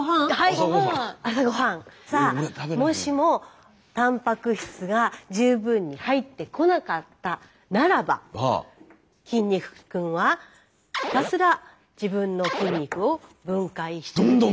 さあもしもたんぱく質が十分に入ってこなかったならば筋肉君はひたすら自分の筋肉を分解して。